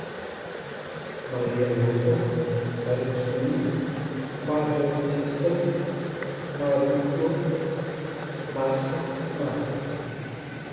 maria louca, mariquinha, marmotista, marrudo, massa, mato